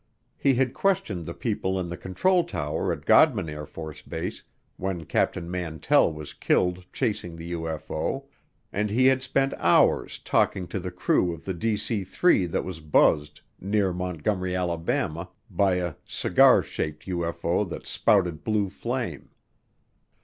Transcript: He had questioned the people in the control tower at Godman AFB when Captain Mantell was killed chasing the UFO, and he had spent hours talking to the crew of the DC 3 that was buzzed near Montgomery, Alabama, by a "cigar shaped UFO that spouted blue flame."